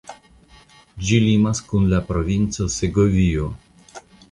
Ĝi limas kun la provinco Segovio.